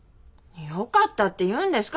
よかったって言うんですか？